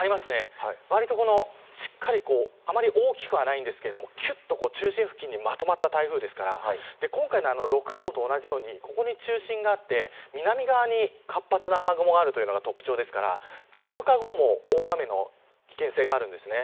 わりとしっかりあまり大きくはないんですけど中心付近にまとまった台風ですから今回の６号と同じように、ここに中心があって南側に活発な雨雲があるというのが特徴ですから通過後も大雨の危険性があるんです。